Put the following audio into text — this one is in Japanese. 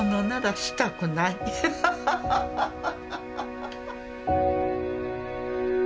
ハハハハハ。